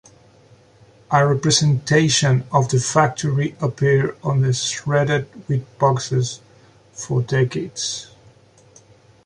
A representation of the factory appeared on the Shredded Wheat boxes for decades.